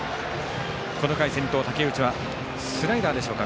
この回、先頭、竹内はスライダーでしょうか。